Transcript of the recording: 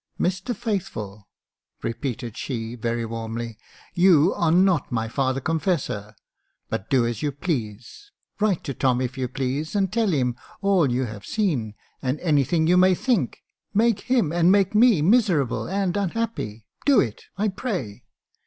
*' Mr Faithful," repeated she, very warmly, " you are not my father confessor ; but do as you please — write to Tom if you please, and tell him all you have seen, and anything you may think — make him and make me miserable and unhappy — do it, I pray.